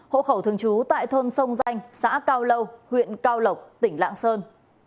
hộ khẩu thường trú tại thôn sông danh xã cao lâu huyện cao lộc tỉnh lạng sơn